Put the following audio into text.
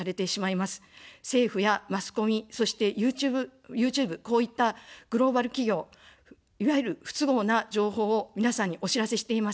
政府やマスコミ、そしてＹｏｕＴｕｂｅ、こういったグローバル企業、いわゆる不都合な情報を皆さんにお知らせしていません。